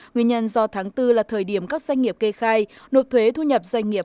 nguyên nhân do tháng bốn là thời điểm các doanh nghiệp kê khai nộp thuế thu nhập doanh nghiệp